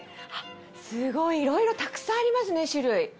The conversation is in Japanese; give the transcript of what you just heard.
すごいいろいろたくさんありますね種類。